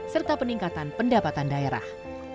serta peningkatan pendapatan daerah